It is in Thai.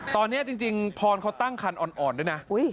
ตอนนี้จริงพรเขาตั้งคันอ่อนด้วยนะ